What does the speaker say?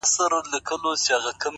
دا کتاب ختم سو نور ـ یو بل کتاب راکه ـ